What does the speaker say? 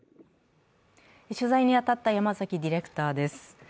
取材に当たった山崎ディレクターです。